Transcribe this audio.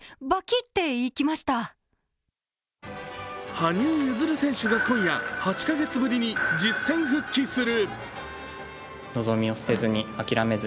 羽生結弦選手が今夜８カ月ぶりに実戦復帰する。